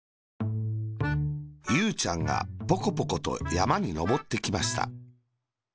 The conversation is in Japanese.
ゆうちゃんがポコポコとやまにのぼってきました。